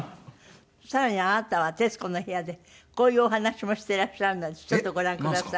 更にあなたは『徹子の部屋』でこういうお話もしてらっしゃるのでちょっとご覧ください。